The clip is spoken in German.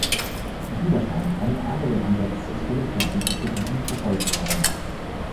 Jeder scheint einen anderen Ansatz zur Erstellung von Enzyklopädien verfolgt zu haben.